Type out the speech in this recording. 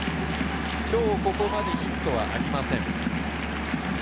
今日ここまでヒットはありません。